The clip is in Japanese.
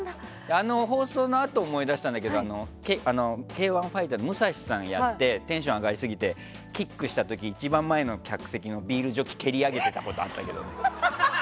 放送のあと思い出したんだけどＫ‐１の武蔵さんをやってテンション上がりすぎてキックした時に一番前の客席のビールジョッキ蹴り上げてたことあったけどね。